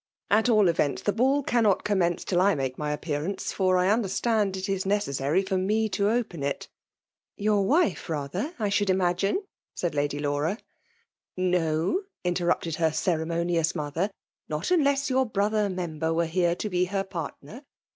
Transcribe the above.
*' At all events, the ball cannot commence till I make FEMALE DOMINATIOK. 119 my appearance, for I understand it is neoes* aary for me to open it.'* *' Your wife rather, I should imagine/' said Xiftdy I^aura. '^ No," interrupted her ceremonious mother, not unless your brother member were here to be her partner.